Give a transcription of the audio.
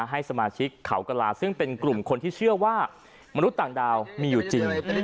ให้สมาชิกเขากระลาซึ่งเป็นกลุ่มคนที่เชื่อว่ามนุษย์ต่างดาวมีอยู่จริง